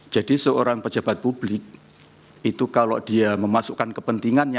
jadi seorang pejabat publik itu kalau dia memasukkan kepentingannya